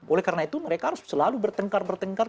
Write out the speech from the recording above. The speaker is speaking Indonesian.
oleh karena itu mereka harus selalu bertengkar bertengkar